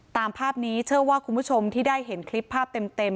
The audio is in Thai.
ตามภาพนี้เชื่อว่าคุณผู้ชมที่ได้เห็นคลิปภาพเต็ม